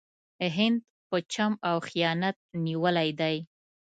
هند په چم او خیانت نیولی دی.